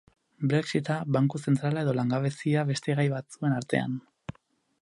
Brexit-a, banku zentrala edo langabezia beste gai batzuen artean.